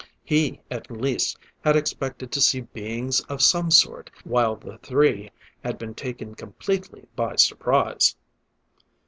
He, at least, had expected to see beings of some sort, while the three had been taken completely by surprise.